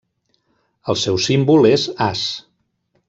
El seu símbol és as.